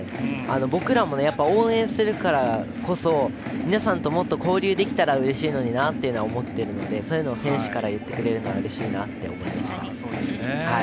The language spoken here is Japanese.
僕らも、応援するからこそ皆さんともっと交流できたらうれしいなって思っているのでそういうのを選手から言ってくれるのはうれしいなと思います。